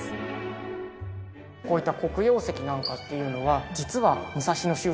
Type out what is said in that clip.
こういった。